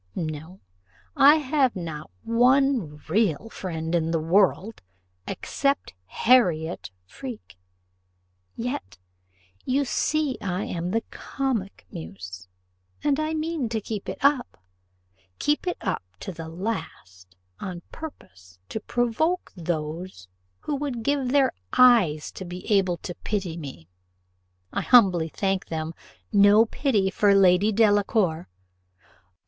No, I have not one real friend in the world except Harriot Freke; yet, you see I am the comic muse, and mean to keep it up keep it up to the last on purpose to provoke those who would give their eyes to be able to pity me; I humbly thank them, no pity for Lady Delacour.